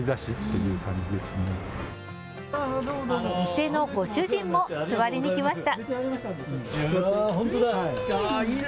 店のご主人も座りに来ました。